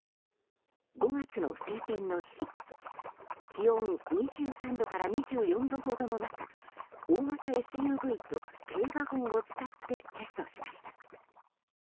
５月の晴天の日気温２３度から２４度ほどの中大型ＳＵＶと軽ワゴンを使ってテストしました。